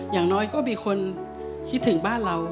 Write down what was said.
อย่างน้อยก็มีคนคิดถึงบ้านเรา